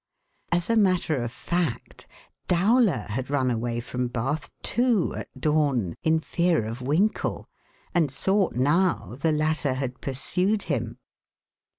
As a matter of fact, Dowler had run away from Bath, too, at dawn, in fear of Winkle, and thought now the latter had pursued him.